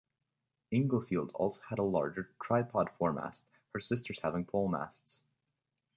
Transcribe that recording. "Inglefield" also had a larger tripod foremast, her sisters having pole masts.